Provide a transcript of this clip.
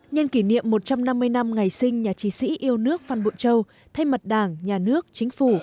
nhân kỷ niệm một trăm năm mươi năm ngày sinh nhà trí sĩ yêu nước phan bội châu thay mặt đảng nhà nước chính phủ